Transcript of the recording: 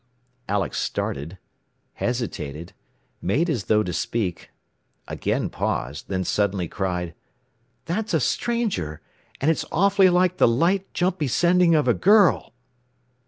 Alex started, hesitated, made as though to speak, again paused, then suddenly cried, "That's a stranger! "And it's awfully like the light, jumpy sending of a girl!"